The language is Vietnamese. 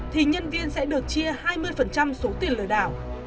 thì nhân viên sẽ được chia hai mươi số tiền lừa đảo